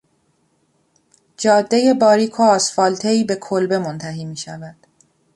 جادهی باریک و آسفالتهای به کلبه منتهی میشود.